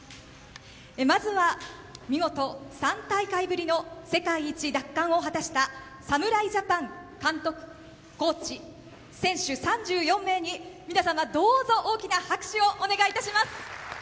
まずは見事３大会ぶりの世界一奪還を果たした侍ジャパン監督、コーチ、選手３４名に皆様どうぞ大きな拍手をお願いいたします。